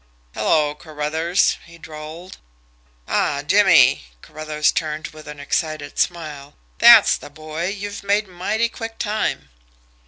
"Hello, Carruthers!" he drawled. "Ah, Jimmie!" Carruthers turned with an excited smile. "That's the boy! You've made mighty quick time."